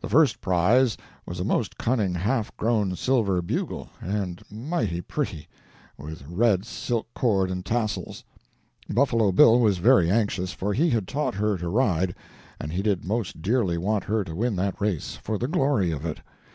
The first prize was a most cunning half grown silver bugle, and mighty pretty, with red silk cord and tassels. Buffalo Bill was very anxious; for he had taught her to ride, and he did most dearly want her to win that race, for the glory of it.